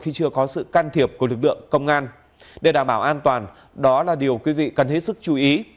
khi chưa có sự can thiệp của lực lượng công an để đảm bảo an toàn đó là điều quý vị cần hết sức chú ý